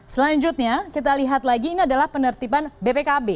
selanjutnya kita lihat lagi ini adalah penertiban bpkb